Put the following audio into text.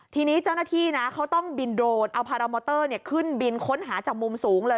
ทีนี้เจ้าหน้าที่นะเขาต้องบินโดรนเอาพารามอเตอร์ขึ้นบินค้นหาจากมุมสูงเลย